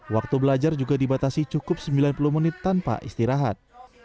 waktu belajar juga dibatasi cukup sembilan puluh menit tanpa istirahat